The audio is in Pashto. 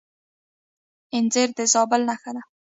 انځر د زابل نښه ده.